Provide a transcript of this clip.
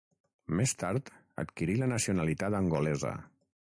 Més tard adquirí la nacionalitat angolesa.